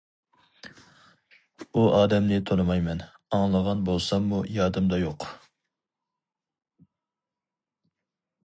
ئۇ ئادەمنى تونۇمايمەن، ئاڭلىغان بولساممۇ يادىمدا يوق.